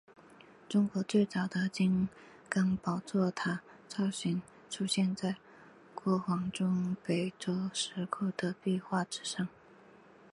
中国最早的金刚宝座塔造型出现在敦煌中北周石窟的壁画之上。